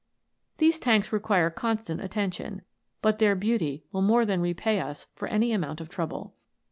These tanks require constant attention, but their beauty will more than repay its for any amount of trouble.